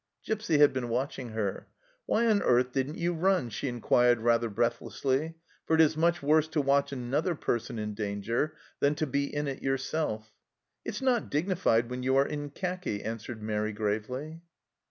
Gipsy had been watching her. " Why on earth didn't you run ?" she inquired rather breathlessly, for it is much worse to watch another person in danger than to be in it yourself. " It's not dignified when you are in khaki," answered Mairi gravely.